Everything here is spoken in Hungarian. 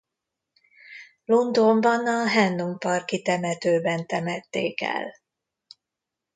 Londonban a Hendon-parki temetőben temették el.